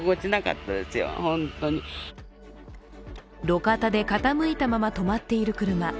路肩で傾いたまま止まっている車。